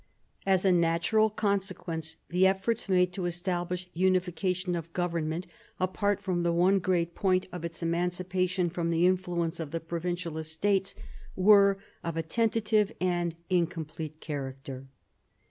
As a natural consequence the efforts made to establish unification of government, apart from the one great point of its emancipation from the in fluence of the provincial Estates, were of a tentative and incomplete character.